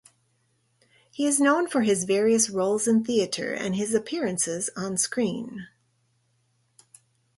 He is known for his various roles in theatre and his appearances on screen.